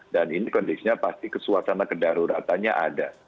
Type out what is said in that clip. dan ini kondisinya pasti kesuasana kedaruratannya ada